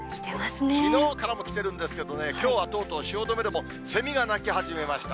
きのうからも来てるんですけどね、きょうはとうとう汐留でもセミが鳴き始めました。